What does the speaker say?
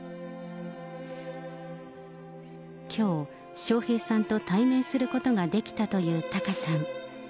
きょう、笑瓶さんと対面することができたというタカさん。